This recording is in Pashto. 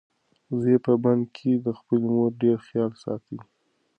زوی یې په بن کې د خپلې مور ډېر خیال ساتي.